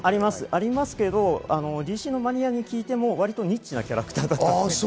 ありますけれども、ＤＣマニアに聞いてもニッチなキャラクターです。